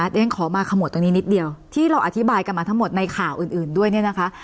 เดี๋ยวฉันขอมาขมวดตรงนี้นิดเดียวที่เราอธิบายกันมาทั้งหมดในข่าวอื่นด้วยเนี่ยนะคะ